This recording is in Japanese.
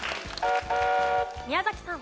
宮崎さん。